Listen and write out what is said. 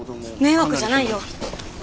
迷惑じゃないよ。